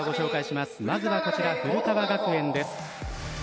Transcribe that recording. まずは古川学園です。